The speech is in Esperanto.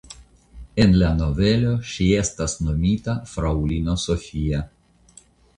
En la novelo ŝi estas nomita fraŭlino Sofia.